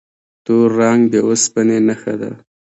تور رنګ د اوسپنې نښه ده.